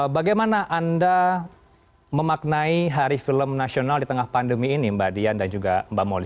bagaimana anda memaknai hari film nasional di tengah pandemi ini mbak dian dan juga mbak moli